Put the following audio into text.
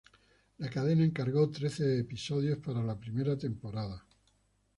La cadena encargó trece episodios para la primera temporada.